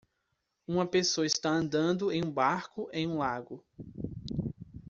Uma pessoa está andando em um barco em um lago.